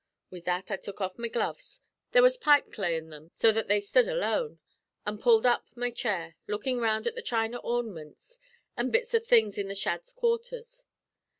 "Wid that I tuk off my gloves there was pipe clay in thim so that they stud alone an' pulled up my chair, lookin' round at the china ornamints an' bits av things in the Shadds' quarters.